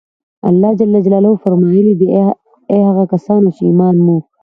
الله جل جلاله فرمایلي دي: اې هغه کسانو چې ایمان مو